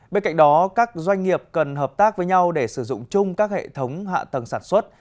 bên cạnh đó các doanh nghiệp cần hợp tác với nhau để sử dụng chung các hệ thống hạ tầng sản xuất